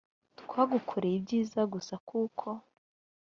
twagukoreye ibyiza gusa kuko